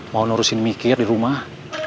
mau nurusin mikir di rumah